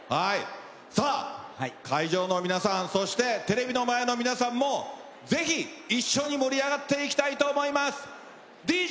会場の皆さん、そしてテレビの前の皆さんもぜひ一緒に盛り上がっていきたいと思います。